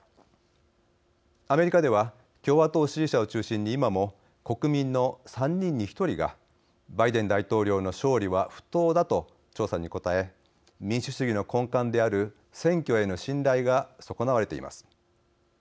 アメリカでは共和党支持者を中心に、今も国民の３人に１人がバイデン大統領の勝利は不当だと調査に答え、民主主義の根幹である選挙への信頼が損なわれています。